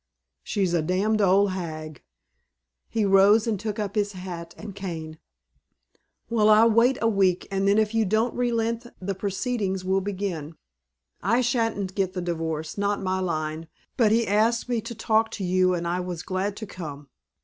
"She's a damned old hag." He rose and took up his hat and cane. "Well, I'll wait a week, and then if you don't relent the proceedings will begin. I shan't get the divorce. Not my line. But he asked me to talk to you and I was glad to come.